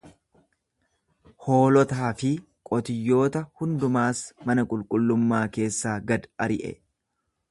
Hoolotaa fi qotiyyoota hundumaas mana qulqullummaa keessaa gad ari'e.